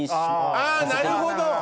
あなるほど。